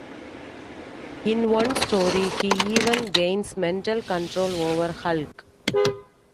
In one story, he even gains mental control over Hulk.